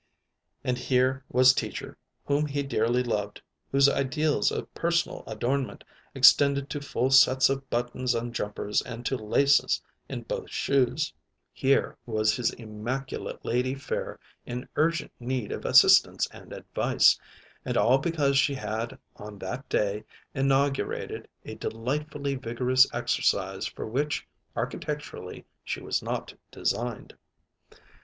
And here was Teacher whom he dearly loved, whose ideals of personal adornment extended to full sets of buttons on jumpers and to laces in both shoes, here was his immaculate lady fair in urgent need of assistance and advice, and all because she had on that day inaugurated a delightfully vigorous exercise for which, architecturally, she was not designed.